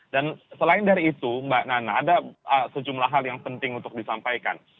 dan selain dari itu mbak nana ada sejumlah hal yang penting untuk disampaikan